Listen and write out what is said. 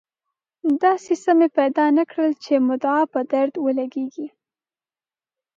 داسې څه مې پیدا نه کړل چې د مدعا په درد ولګېږي.